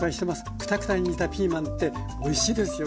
クタクタに煮たピーマンっておいしいですよね。